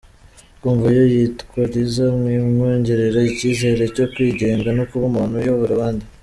Kumva ko yitwa Liza bimwongerera icyizere cyo kwigenga no kuba umuntu uyobora abandi.